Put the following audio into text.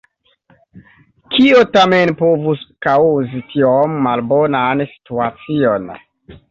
Kio tamen povus kaŭzi tiom malbonan situacion?